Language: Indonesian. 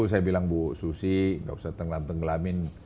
sekarang bu susi nggak usah tenggelam tengelamin